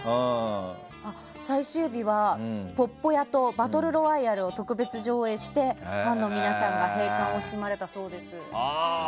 最終日は「鉄道員」と「バトル・ロワイアル」を特別上映して、ファンの皆さんが閉館を惜しまれたそうです。